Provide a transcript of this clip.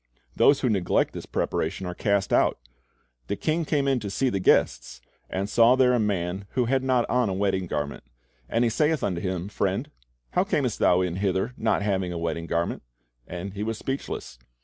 Those who neglect this preparation are cast out. "The king came in to see the guests," and "saw there a man which had not on a wedding garment; and he saith unto him, Friend, how camest thou in hither not having a wedding garment ? And he was speechless.